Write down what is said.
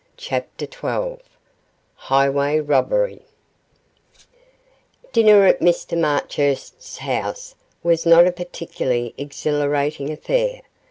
CHAPTER XII HIGHWAY ROBBERY Dinner at Mr Marchurst's house was not a particularly exhilarating affair.